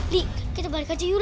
li kita balik aja yuk